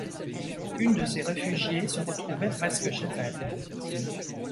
Une de ces réfugiées se retrouvait presque chez elle.